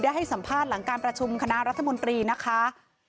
ให้สัมภาษณ์หลังการประชุมคณะรัฐมนตรีนะคะ